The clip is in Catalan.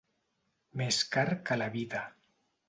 Més car que la vida.